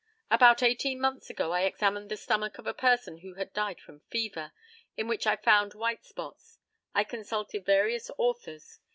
About eighteen months ago I examined the stomach of a person who had died from fever, in which I found white spots. I consulted various authors.